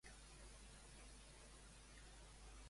Al Bonpreu-Esclat o al Charter?